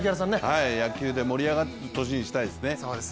野球で盛り上がる年にしたいですね。